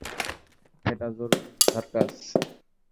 এটা জরুরি উদ্ধারকাজ।